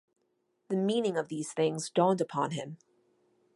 The meaning of these things dawned upon him.